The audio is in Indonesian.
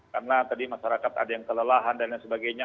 karena tadi masyarakat ada yang kelelahan dan lain sebagainya